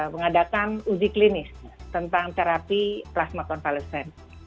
mengadakan uji klinis tentang terapi plasma konvalesen